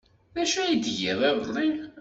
D acu ay tgiḍ iḍelli?